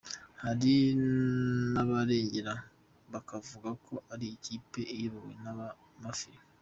Hari n’abarengera bakavuga ko ari ikipe iyobowe n’aba ‘mafia’.